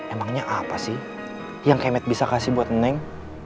emangnya apa sih yang kemed bisa kasih buat neng